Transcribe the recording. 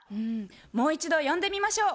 もう一度呼んでみましょう。